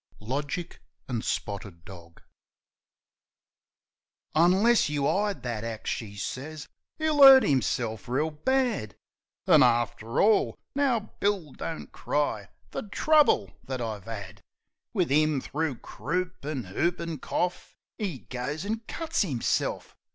Logic and Spotted Dog NLESS you 'ide that axe," she sez, " 'E'll 'urt 'imself reel bad. An' after all Now, Bill, don't cry! the trouble that I've 'ad Wiv 'im thro' croop an' whoopin' corf, 'e goes an' cuts 'imself!